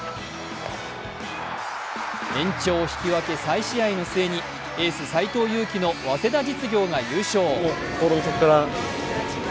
延長引き分け再試合の末にエース・斎藤佑樹の早稲田実業が優勝。